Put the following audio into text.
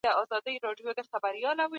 ايا دولت د حقوقي چارو مسووليت لري؟